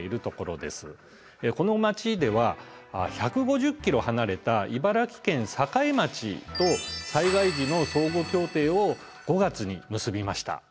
この町では１５０ｋｍ離れた茨城県境町と災害時の相互協定を５月に結びました。